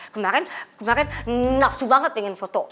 kemarin kemarin nafsu banget pengen foto